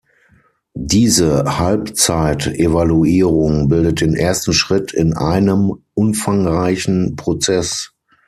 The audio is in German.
Diese Halbzeitevaluierung bildet den ersten Schritt in einem umfangreichen Prozess.